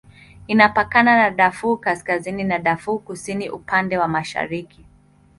Inapakana na Darfur Kaskazini na Darfur Kusini upande wa mashariki.